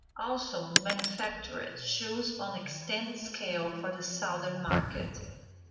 Also manufactured shoes on an extended scale for the southern market.